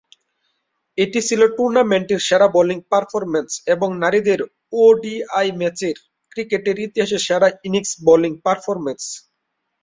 এটি ছিল টুর্নামেন্টের সেরা বোলিং পারফরম্যান্স এবং নারীদের ওডিআই ম্যাচের ক্রিকেটের ইতিহাসে সেরা ইনিংস বোলিং পারফরম্যান্স।